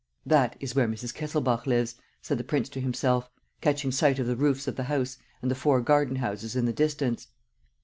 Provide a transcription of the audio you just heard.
"That is where Mrs. Kesselbach lives," said the prince to himself, catching sight of the roofs of the house and the four garden houses in the distance.